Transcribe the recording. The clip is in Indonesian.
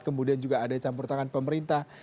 kemudian juga ada campur tangan pemerintah